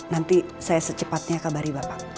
nanti saya secepatnya kabari bapak